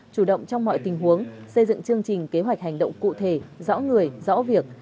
chủ động trong mọi tình huống xây dựng chương trình kế hoạch hành động cụ thể rõ người rõ việc